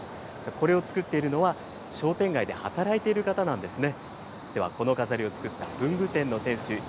これを作っているのは、商店街で働いている方なんですね。